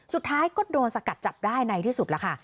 สุดท้ายก็โดนสกัดจับได้ในที่สุดแล้วค่ะ